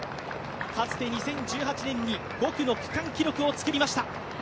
かつて２０１８年に５区の区間記録を作りました。